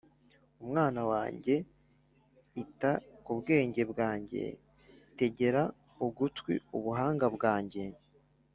mwana wanjye ita ku bwenge bwanjye, tegera ugutwi ubuhanga bwanjye,